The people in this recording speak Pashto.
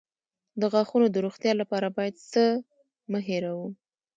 د غاښونو د روغتیا لپاره باید څه مه هیروم؟